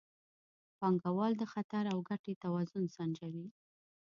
پانګوال د خطر او ګټې توازن سنجوي.